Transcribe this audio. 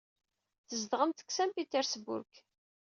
Tzedɣemt deg Saint Petersburg.